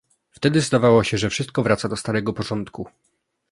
Wtedy zdawało się, że wszystko wraca do starego porządku